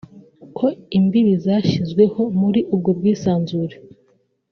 ko imbibi zashyizweho muri ubwo bwisanzure